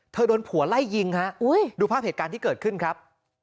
โดนผัวไล่ยิงฮะดูภาพเหตุการณ์ที่เกิดขึ้นครับ